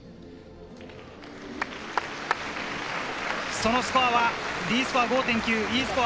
そのスコアはＤスコア５．９、Ｅスコア